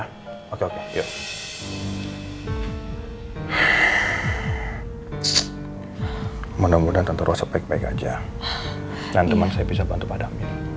hai menemukan tenterosa baik baik aja dan teman saya bisa bantu padamu